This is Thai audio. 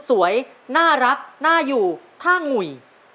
สวยน่ารักน่าอยู่ท่างุ่ย